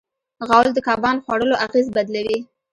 غول د کبان خوړلو اغېز بدلوي.